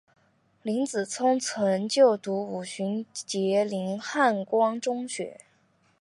林子聪曾就读五旬节林汉光中学。